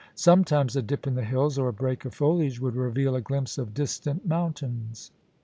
Sometimes a dip in the hills or a break of foliage would reveal a glimpse of distant mountains.